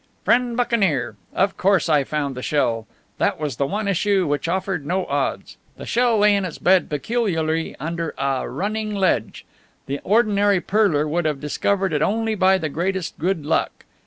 Friend Buccaneer: Of course I found the shell. That was the one issue which offered no odds. The shell lay in its bed peculiarly under a running ledge. The ordinary pearler would have discovered it only by the greatest good luck.